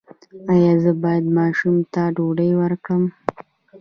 ایا زه باید ماشوم ته ډوډۍ ورکړم؟